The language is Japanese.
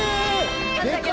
でか！